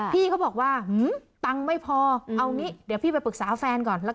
พี่เขาบอกว่าตังค์ไม่พอเอางี้เดี๋ยวพี่ไปปรึกษาแฟนก่อนแล้ว